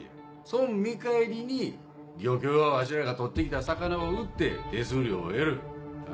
そん見返りに漁協はわしらが取って来た魚を売って手数料を得る。